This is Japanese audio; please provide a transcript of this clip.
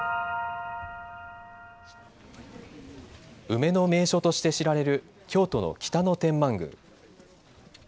梅の名所として知られる京都の北野天満宮。